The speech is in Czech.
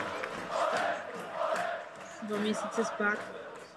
Po pádu dynastie Čching byly tyto jednotky přijaty do nově vznikající armády republiky.